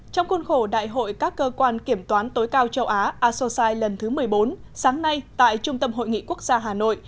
trong khuôn khổ đại hội các cơ quan kiểm toán tối cao châu á asosai lần thứ một mươi bốn sáng nay tại trung tâm hội nghị quốc gia hà nội